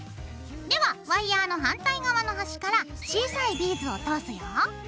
ではワイヤーの反対側の端から小さいビーズを通すよ。